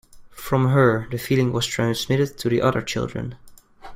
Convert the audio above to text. From her the feeling was transmitted to the other children.